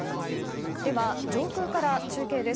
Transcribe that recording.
では、上空から中継です。